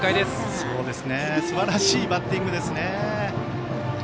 すばらしいバッティングですね。